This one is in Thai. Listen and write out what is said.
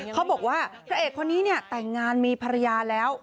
เขาบอกว่าพระเอกคนนี้เนี่ยแต่งงานมีภรรยาแล้ว